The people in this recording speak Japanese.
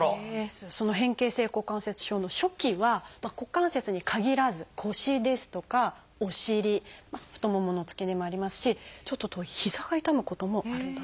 その変形性股関節症の初期は股関節に限らず腰ですとかお尻太ももの付け根もありますしちょっと遠いひざが痛むこともあるんだそうです。